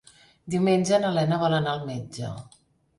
Diumenge na Lena vol anar al metge.